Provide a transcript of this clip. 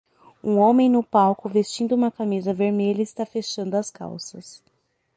Um homem no palco vestindo uma camisa vermelha está fechando as calças.